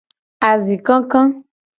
Azi kaka.